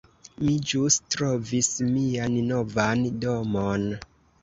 Mi ĵus trovis mian novan domon